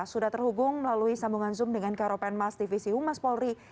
sudah terhubung melalui sambungan zoom dengan karopenmas divisi humas polri